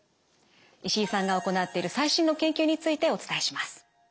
石井さんが行っている最新の研究についてお伝えします。